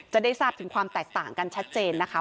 จะได้ทราบถึงความแตกต่างกันชัดเจนนะคะ